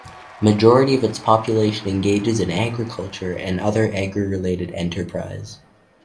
Majority of its population engages in agriculture and other agri-related enterprise.